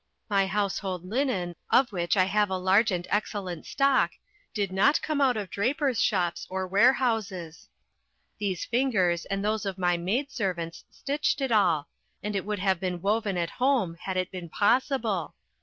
My household linen, of which I have a large and excellent stock, did not come out of drapers' shops or warehouses; these fingers and those of my maid servants stitched it all, and it would have been woven at home had that been possible.